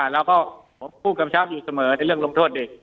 แล้วก็ผมพูดกำชับอยู่เสมอในเรื่องลงโทษเด็ก